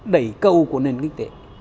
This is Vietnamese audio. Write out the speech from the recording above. đẩy câu của nền kinh tế